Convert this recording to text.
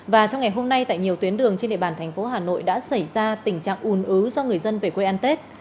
và trong ngày hôm nay tại nhiều tuyến đường trên địa bàn thành phố hà nội đã xảy ra tình trạng ùn ứ do người dân về quê ăn tết